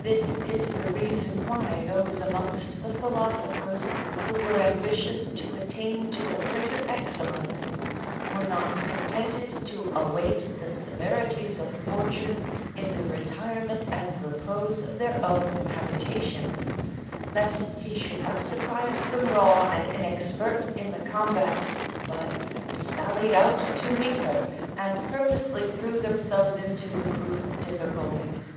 This is the reason why those amongst the philosophers who were ambitious to attain to a greater excellence, were not contented to await the severities of fortune in the retirement and repose of their own habitations, lest he should have surprised them raw and inexpert in the combat, but sallied out to meet her, and purposely threw themselves into the proof of difficulties.